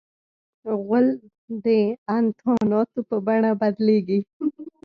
غول د انتاناتو په بڼه بدلیږي.